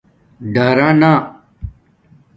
ڈرانا